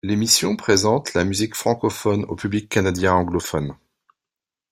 L'émission présente la musique francophone au public canadien anglophone.